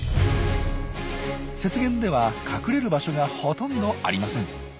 雪原では隠れる場所がほとんどありません。